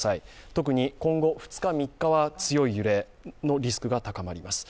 特に今後２日、３日は強い揺れのリスクが高まります。